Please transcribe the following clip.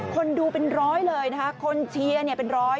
คนดูเป็นร้อยเลยนะคะคนเชียร์เป็นร้อย